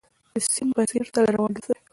د سيند په څېر تل روان اوسئ.